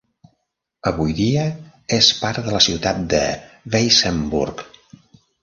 Avui dia és part de la ciutat de Weissenburg.